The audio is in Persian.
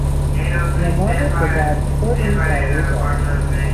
رمان به درد خوری برای جوانان